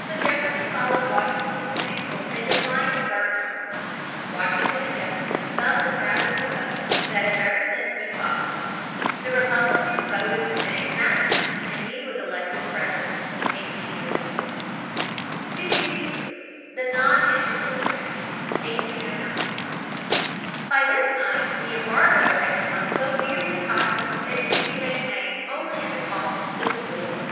So Jefferson followed Washington's example and declined a third term, Washington and Jefferson thus established a custom that has ever since been followed. The Republicans voted for James Madison, and he was elected President (1808). [Illustration: MODERN DOUBLE DECKED FERRYBOAT.] [Sidenote: Non Intercourse Act, 1809.] 253. The Non Intercourse Act, 1809. By this time the embargo had become so very unpopular that it could be maintained only at the cost of civil war.